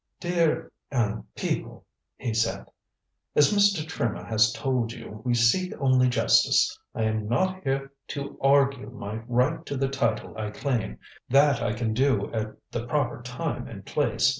"Dear er people," he said. "As Mr. Trimmer has told you, we seek only justice. I am not here to argue my right to the title I claim that I can do at the proper time and place.